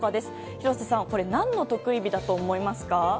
廣瀬さん、これ何の特異日だと思いますか？